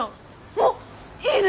あっいいね！